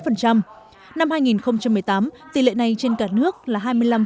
năm hai nghìn một mươi tám tỷ lệ này trên cả nước là hai mươi năm